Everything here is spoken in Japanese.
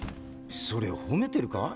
それ褒めてるか？